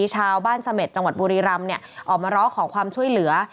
ชาวบ้านเสม็ดจังหวัดบุรีรำออกมาร้องขอความช่วยเหลือ